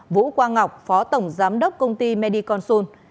vũ quang ngọc phó tổng giám đốc công ty mediconsul